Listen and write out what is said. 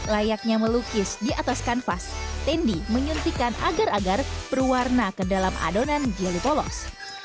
layaknya melukis di atas kanvas tendi menyuntikkan agar agar berwarna ke dalam adonan jelly polos